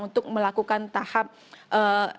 untuk melakukan tahap sesuatu yang cemerlang